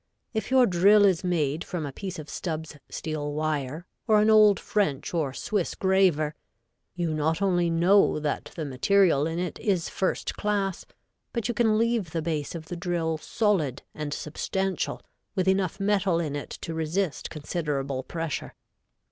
If your drill is made from a piece of Stubb's steel wire, or an old French or Swiss graver, you not only know that the material in it is first class, but you can leave the base of the drill solid and substantial, with enough metal in it to resist considerable pressure.